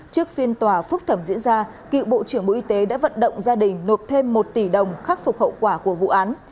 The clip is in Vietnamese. trước phiên tòa phúc thẩm diễn ra cựu bộ trưởng bộ y tế đã vận động gia đình nộp thêm một tỷ đồng khắc phục hậu quả của vụ án